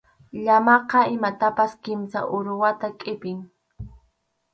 Llamaqa imatapas kimsa aruwata qʼipin.